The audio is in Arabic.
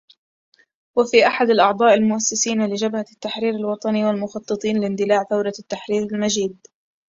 وهو احد الأعضاء المؤسسين لجبهة التحرير الوطني و المخططين لاندلاع ثورة التحرير المجيدة